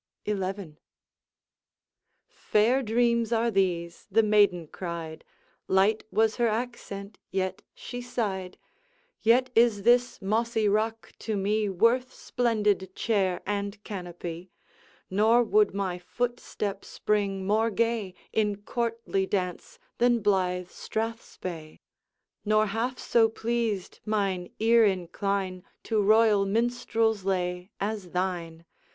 XI. 'Fair dreams are these,' the maiden cried, Light was her accent, yet she sighed, 'Yet is this mossy rock to me Worth splendid chair and canopy; Nor would my footstep spring more gay In courtly dance than blithe strathspey, Nor half so pleased mine ear incline To royal minstrel's lay as thine.